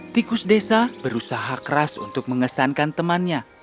tikus desa berusaha keras untuk mengesankan temannya